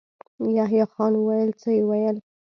يحيی خان وويل: څه يې ويل؟